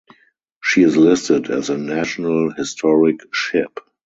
She is listed as a National Historic Ship.